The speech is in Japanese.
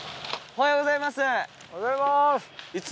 おはようございます。